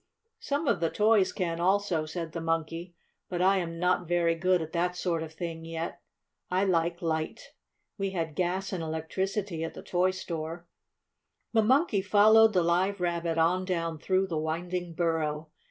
"Some of the toys can, also," said the Monkey. "But I am not very good at that sort of thing yet. I like light. We had gas and electricity at the toy store." The Monkey followed the Live Rabbit on down through the winding burrow.